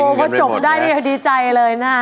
โอ้จบได้ดีใจเลยนะ